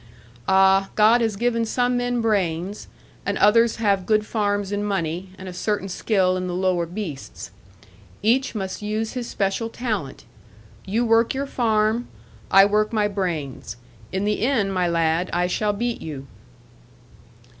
Ah, God has given some men brains; and others have good farms and money, and a certain skill in the lower beasts. Each must use his special talent. You work your farm: I work my brains. In the end, my lad, I shall beat you.'